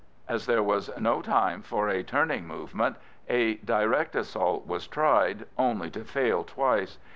As there was no time left for a turning movement, a direct assault was tried, only to fail twice.